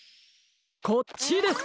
こっちです！